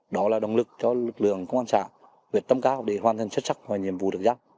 đó là động lực cho lực lượng công an xã việt tâm các để hoàn thành chất sắc hoài nhiệm vụ được giáp